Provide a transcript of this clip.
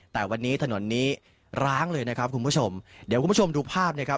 แต่วันนี้ถนนนี้ร้างเลยนะครับคุณผู้ชมเดี๋ยวคุณผู้ชมดูภาพนะครับ